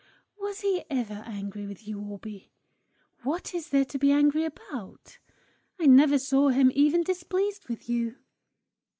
"Was he ever angry with you, Orbie? What is there to be angry about? I never saw him even displeased with you!"